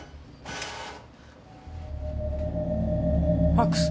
ファクス。